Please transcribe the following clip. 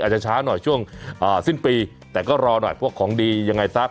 อาจจะช้าหน่อยช่วงสิ้นปีแต่ก็รอหน่อยพวกของดียังไงซะ